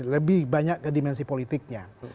lebih banyak dimensi politiknya